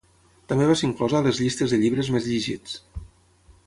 També va ser inclosa a les llistes de llibres més llegits.